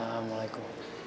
kau yakin bhikkah f wob art